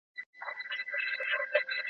ساینسپوهان له خرافاتو لري تښتي.